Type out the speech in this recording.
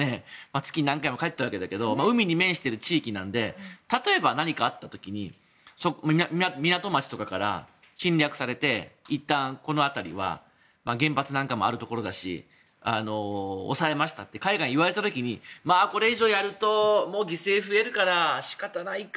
月何回も帰ってるけど海に面している地域なので例えば、何かあった時に港町とかから侵略されていったん、この辺りは原発なんかもあるところだし押さえましたって海外に言われた時にこれ以上やると犠牲が増えるから仕方ないか。